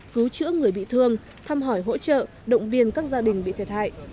cứu chữa người bị thương thăm hỏi hỗ trợ động viên các gia đình bị thiệt hại